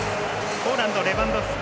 ポーランド、レバンドフスキ。